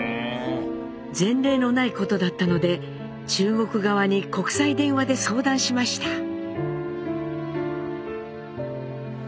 前例のないことだったので中国側に国際電話で相談しました。